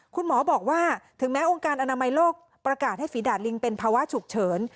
คุณหมอบอกว่าถึงแม้องค์การอนามัยโลกประกาศให้ฝีดาดลิงเป็นภาวะฉุกเฉิน